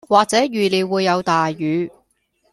或者預料會有大雨